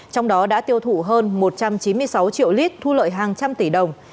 trong đó đã tiêu thụ hơn một trăm chín mươi sáu triệu lít thu lợi hàng trăm tỷ đồng